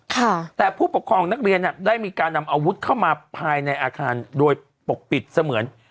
ค่ะแต่ผู้ปกครองนักเรียนอ่ะได้มีการนำอาวุธเข้ามาภายในอาคารโดยปกปิดเสมือน